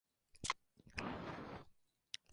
Lucía, Edo.